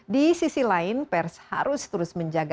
di sisi lain pers harus terus menjaga